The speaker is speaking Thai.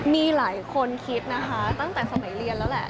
มีหลายคนคิดนะคะตั้งแต่สมัยเรียนแล้วแหละ